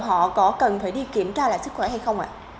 họ có cần phải đi kiểm tra lại sức khỏe hay không ạ